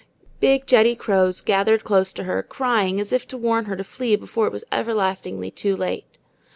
Big, jetty crows gathered close to her, crying, as if warning her to flee before it was everlastingly too late.